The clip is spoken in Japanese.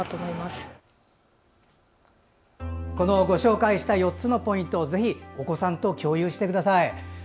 ご紹介した４つのポイントをぜひ、お子さんと共有してください。